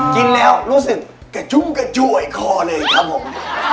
กินแล้วรู้สึกกระชุ่มกระจวยคอเลยครับผม